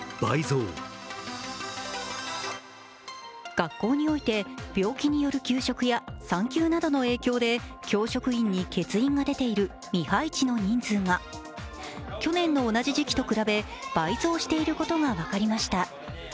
学校において病気による休職や産休などの影響で教職員に欠員が出ている未配置の人数が去年の同じ時期と比べ倍増していることが分かりました。